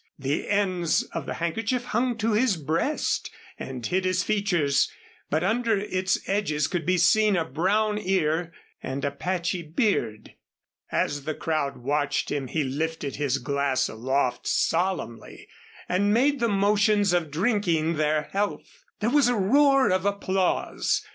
The ends of the handkerchief hung to his breast and hid his features, but under its edges could be seen a brown ear and a patchy beard. As the crowd watched him he lifted his glass aloft solemnly and made the motions of drinking their health. There was a roar of applause.